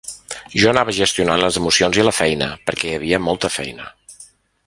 Jo anava gestionant les emocions i la feina, perquè hi havia molta feina.